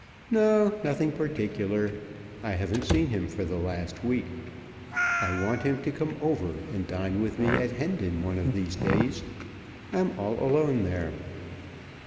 "No; nothing particular. I haven't seen him for the last week. I want him to come over and dine with me at Hendon one of these days. I'm all alone there."